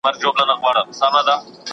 چي پر حال د زکندن به د وطن ارمان کوینه